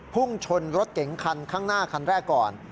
พุ่งชนรถเก๋งคันข้างหน้าคันแรกก่อน